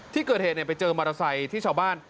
ที่เกิดเหตุไปเจอมอเตอร์ไซค์ที่ชาวบ้าน